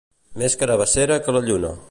Més carabassera que la lluna.